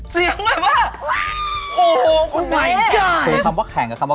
สุดบรรยายครับ